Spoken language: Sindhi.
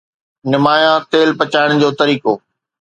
نمايان ٿيل پچائڻ جو طريقو